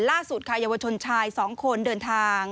ล่าสุดค่ะเยาวชนชาย๒คนเดินทาง